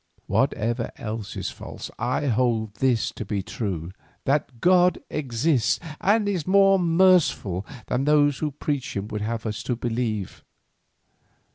Whatever else is false, I hold this to be true, that God exists and is more merciful than those who preach Him would have us to believe."